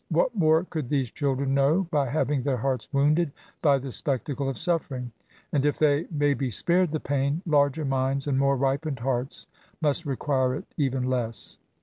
What more could these children know by haying their hearts wounded by the spectacle of suffering ! And if they may be spared the pain, larger minds and more ripened hearts must require it even less.